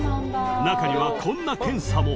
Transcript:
［中にはこんな検査も］